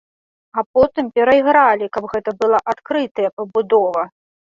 А потым перайгралі, каб гэта была адкрытая пабудова.